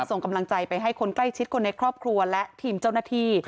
ส่งกำลังใจไปให้คนใกล้ชิดคนในครอบครัวและทีมเจ้าหน้าที่